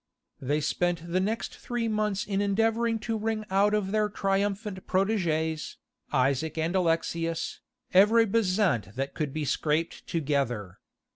They spent the next three months in endeavouring to wring out of their triumphant protégés, Isaac and Alexius, every bezant that could be scraped together.